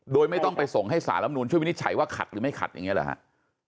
โดยไม่ต้องไปส่งให้สารรับนูนช่วยวินิจฉัยว่าขัดหรือไม่ขัดอย่างนี้หรือครับ